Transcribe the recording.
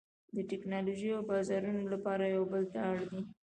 د ټکنالوژۍ او بازارونو لپاره یو بل ته اړ دي